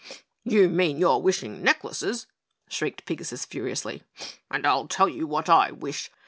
"You mean your wishing necklaces!" shrieked Pigasus furiously, "and I'll tell you what I wish.